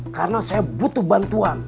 karena saya butuh bantuan